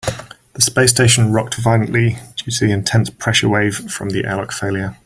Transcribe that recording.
The space station rocked violently due to the intense pressure wave from the airlock failure.